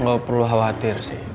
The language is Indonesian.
gak perlu khawatir sih